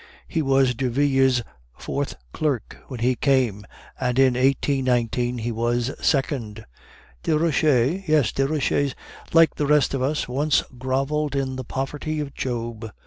He was Derville's fourth clerk when he came; and in 1819 he was second!" "Desroches?" "Yes. Desroches, like the rest of us, once groveled in the poverty of Job.